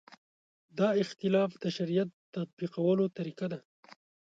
دا اختلاف د شریعت تطبیقولو طریقه ده.